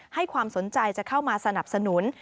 ให้ความสนใจจะเข้ามาสนับสนุน